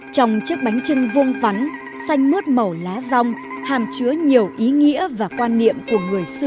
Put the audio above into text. trong chiếc bánh trưng vuông vắn xanh mướt màu lá rong hàm chứa nhiều ý nghĩa và quan niệm của người xưa